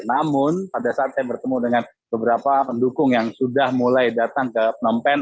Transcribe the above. namun pada saat saya bertemu dengan beberapa pendukung yang sudah mulai datang ke phnom penh